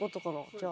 じゃあ。